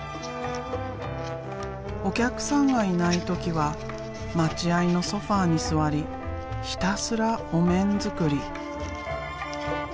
お客さんがいない時は待合のソファーに座りひたすらお面作り。